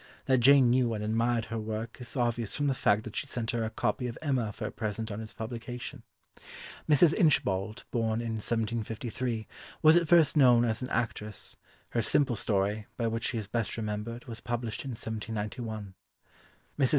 That Jane knew and admired her work is obvious from the fact that she sent her a copy of Emma for a present on its publication. Mrs. Inchbald, born in 1753, was at first known as an actress, her Simple Story, by which she is best remembered, was published in 1791. Mrs.